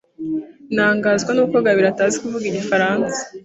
Ntangazwa nuko Gabiro atazi kuvuga igifaransa.